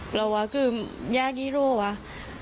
เพราะว่าคืออยากให้รู้ว่า